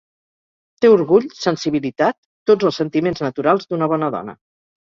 Té orgull, sensibilitat, tots els sentiments naturals d'una bona dona.